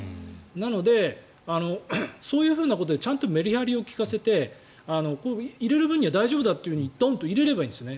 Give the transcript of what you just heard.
なので、そういうことでちゃんとメリハリを利かせて入れる分には大丈夫だと入れればいいんですね。